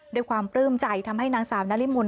ความปลื้มใจทำให้นางสาวนาริมล